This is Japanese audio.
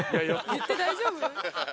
言って大丈夫？」